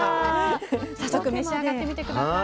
早速召し上がってみて下さい。